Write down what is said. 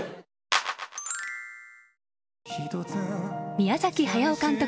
宮崎駿監督